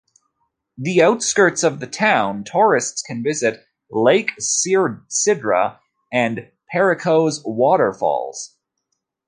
In the outskirts of the town, tourists can visit Lake Cidra and Perico's Waterfalls.